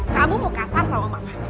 kamu mau kasar sama mama